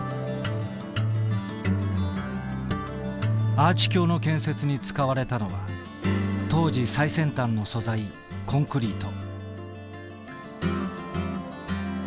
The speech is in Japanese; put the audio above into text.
アーチ橋の建設に使われたのは当時最先端の素材コンクリート。